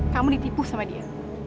kamu ditipu sama dia